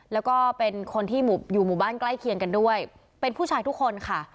แล้วก็เป็นคนที่อยู่หมู่บ้านใกล้เคียงกันด้วยเป็นผู้ชายทุกคนค่ะ